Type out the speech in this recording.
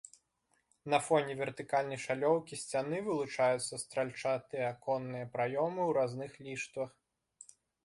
На фоне вертыкальнай шалёўкі сцяны вылучаюцца стральчатыя аконныя праёмы ў разных ліштвах.